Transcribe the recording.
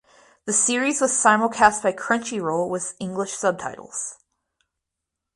The series was simulcast by Crunchyroll with English subtitles.